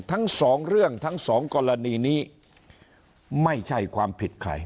ทั้งสองเรื่องทั้งสองกรณีนี้ไม่ใช่ความผิดใคร